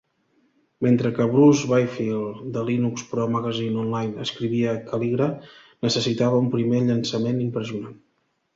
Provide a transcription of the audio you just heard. Mentre que Bruce Byfield de Linux Pro Magazine Online escrivia Calligra necessitava un primer llançament impressionant.